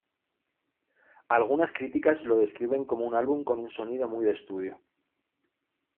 Algunas críticas lo describen como un álbum con un sonido muy de estudio.